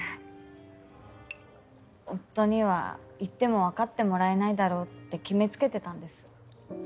夫には言っても分かってもらえないだろうって決め付けてたんです。